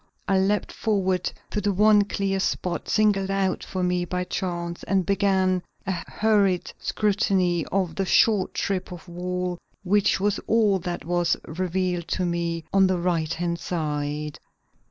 I leaped forward to the one clear spot singled out for me by chance and began a hurried scrutiny of the short strip of wall which was all that was revealed to me on the right hand side.